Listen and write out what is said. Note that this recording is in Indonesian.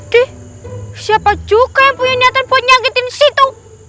deh siapa juga yang punya niatan buat nyangitin situ